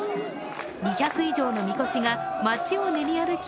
２００以上の神輿が街を練り歩き